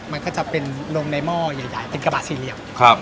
มันก็จะเป็นลงในหม้อย่างใหญ่เป็นกระบาดสี่เหลี่ยวครับ